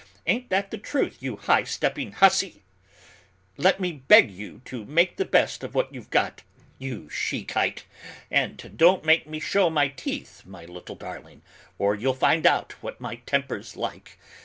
Ain't that the truth, you high stepping hussy'? Let me beg you to make the best of what you've got, you shekite, and don't make me show my teeth, my little darling, or you'll find out what my temper's like!